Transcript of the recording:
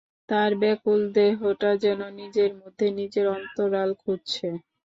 তার ব্যাকুল দেহটা যেন নিজের মধ্যে নিজের অন্তরাল খুঁজছে।